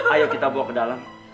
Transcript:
ayo kita bawa ke dalam